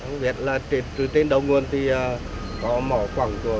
không biết là truyền truyền đầu nguồn thì không được ăn cá